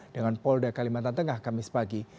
dengan polda kalimantan tengah kamis pagi